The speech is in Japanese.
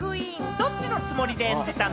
どっちのつもりで演じたの？